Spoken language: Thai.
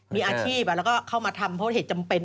มีอาชีพแล้วก็เข้ามาทำเพราะเหตุจำเป็น